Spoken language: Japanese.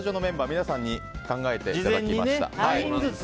皆さんに考えていただきました。